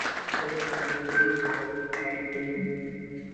கோடை நடுவிலேயே இம்மலையில் பனி பெய்யும்.